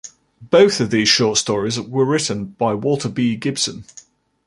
Both of these short stories were written by Walter B. Gibson.